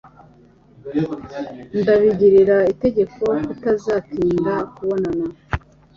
Ndabigira itegeko kutazatinda kubonana.